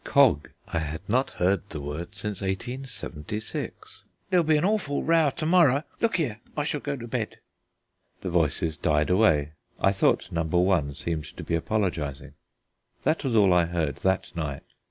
("Cog." I had not heard the word since 1876.) "There'll be an awful row to morrow. Look here, I shall go to bed." The voices died away; I thought Number one seemed to be apologizing. That was all I heard that night.